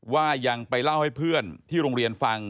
ยังไปเล่าให้เพื่อนที่โรงเรียนฟัง